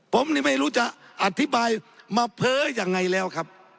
ผมนี่ไม่รู้จะอธิบายมาเพ้อยังไงแล้วครับ